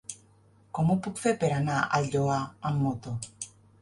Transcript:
Com ho puc fer per anar al Lloar amb moto?